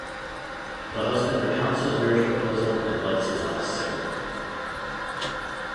The husband recounts his marriage proposal and lights his last cigarette.